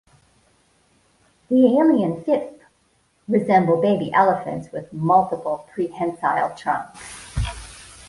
The alien Fithp resemble baby elephants with multiple prehensile trunks.